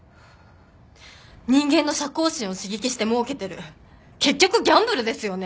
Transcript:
人間の射幸心を刺激してもうけてる結局ギャンブルですよね！？